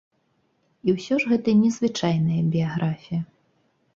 І ўсё ж гэта незвычайная біяграфія.